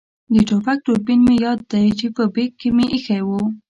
د ټوپک دوربین مې یاد دی چې په بېک کې مې اېښی وو.